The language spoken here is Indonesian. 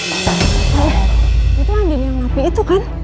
aduh itu anjing yang lapi itu kan